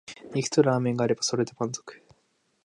肉とラーメンがあればそれで満足